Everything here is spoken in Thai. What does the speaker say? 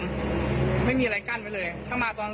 ก็เลยจะเลี้ยวเข้าไปรถมันก็ตกหลุม